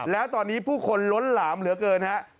แล้วตอนนี้ผู้คนล้นหลามเหลือเกินฮะ